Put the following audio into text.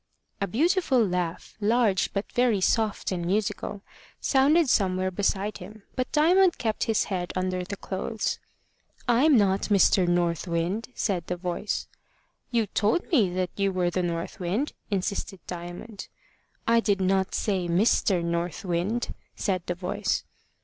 A beautiful laugh, large but very soft and musical, sounded somewhere beside him, but Diamond kept his head under the clothes. "I'm not Mr. North Wind," said the voice. "You told me that you were the North Wind," insisted Diamond. "I did not say Mister North Wind," said the voice.